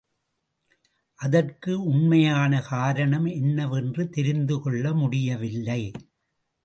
அதற்கு உண்மையான காரணம் என்ன வென்று தெரிந்து கொள்ள முடியவில்லை.